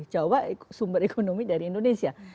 jawa sumber ekonomi dari indonesia